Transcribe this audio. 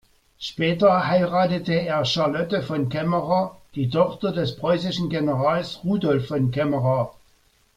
Später heiratete er Charlotte von Caemmerer, die Tochter des preußischen Generals Rudolf von Caemmerer.